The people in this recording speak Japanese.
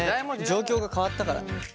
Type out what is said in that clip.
状況が変わったから。